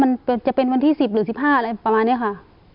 มันจะเป็นวันที่๑๐หรือ๑๕อะไรประมาณนี้ค่ะ